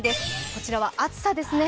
こちらは暑さですね。